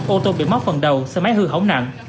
ô tô bị móc phần đầu xe máy hư hỏng nặng